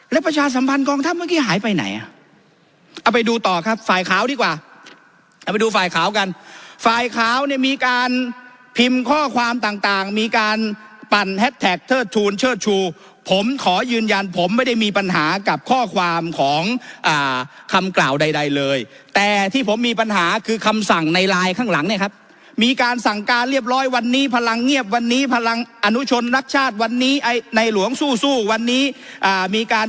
แล้วประชาสัมพันธ์กองทัพเมื่อกี้หายไปไหนอ่ะเอาไปดูต่อครับไฟล์ขาวดีกว่าเอาไปดูไฟล์ขาวกันไฟล์ขาวเนี่ยมีการพิมพ์ข้อความต่างมีการปั่นแฮดแท็กเทิดทูลเชิดชูผมขอยืนยันผมไม่ได้มีปัญหากับข้อความของอ่าคำกล่าวใดเลยแต่ที่ผมมีปัญหาคือคำสั่งในไลน์ข้างหลังเนี่ยครับมีการ